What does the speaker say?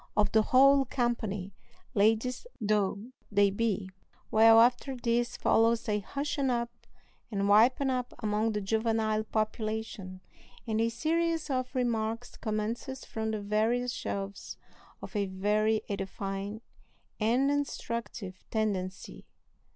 of the whole company, ladies though they be. Well, after this follows a hushing up and wiping up among the juvenile population, and a series of remarks commences from the various shelves of a very edifying and instructive tendency.